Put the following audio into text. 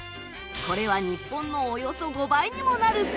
これは日本のおよそ５倍にもなる数値。